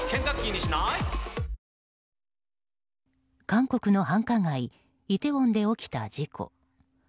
韓国の繁華街イテウォンで起きた事故。